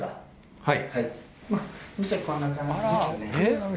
はい。